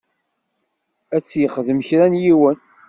Ad t-yexdem kra n yiwen.